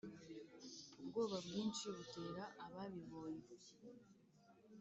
ubwoba bwinshi butera ababibonye.